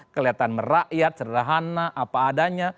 kelihatan merakyat sederhana apa adanya